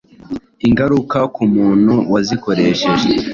ingaruka ku muntu wazikoresheje